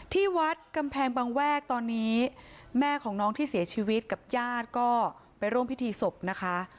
ที่วัดกำแพงบางแวกตอนนี้แม่ของน้องที่เสียชีวิตกับญาติก็ไปร่วมพิธีศพนะคะ